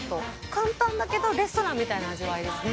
簡単だけどレストランみたいな味わいですね。